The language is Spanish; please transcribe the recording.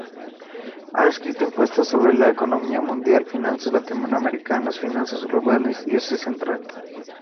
Ha escrito encuestas sobre la economía mundial, finanzas latinoamericanas, finanzas globales y Asia Central.